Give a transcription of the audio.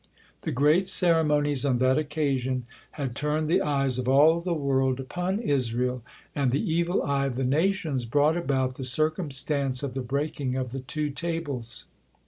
The great ceremonies on that occasion had turned the eyes of all the world upon Israel, and the evil eye of the nations brought about the circumstance of the breaking of the two tables.